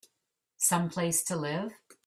Some place to live!